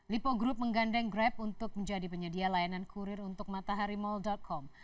lipo group menggandeng grab untuk menjadi penyedia layanan kurir untuk mataharimall com